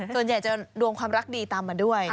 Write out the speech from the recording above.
ส่วนใหญ่จะดวงความรักดีตามมาด้วย